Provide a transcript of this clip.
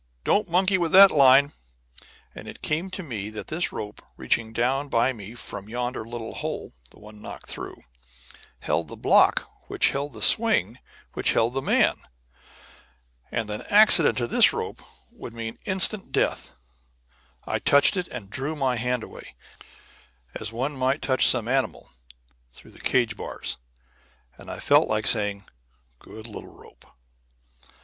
"Don't monkey with that line." And it came to me that this rope, reaching down by me from yonder little hole (the one knocked through), held the block which held the swing which held the man. And an accident to this rope would mean instant death. I touched it, and drew my hand away, as one might touch some animal through the cage bars, and I felt like saying, "Good little rope!"